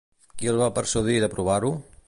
Qui el va persuadir d'aprovar-ho?